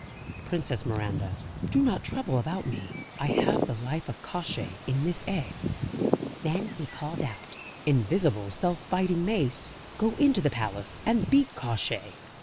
"Princess Miranda, do not trouble about me. I have the life of Kosciey in this egg." Then he called out: "Invisible self fighting mace, go into the palace and beat Kosciey."